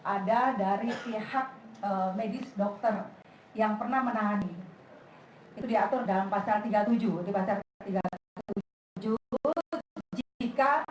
ada dari pihak medis dokter yang pernah menangani itu diatur dalam pasal tiga puluh tujuh di pasar tiga ratus tujuh puluh tujuh jika